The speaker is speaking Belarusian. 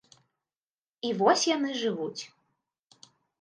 І вось яны жывуць.